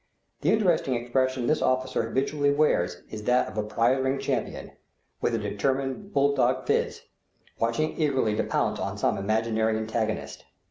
The interesting expression this officer habitually wears is that of a prize ring champion, with a determined bull dog phiz, watching eagerly to pounce on some imaginary antagonist.